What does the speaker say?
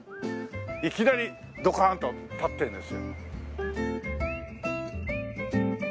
いきなりドカンと立ってるんですよ。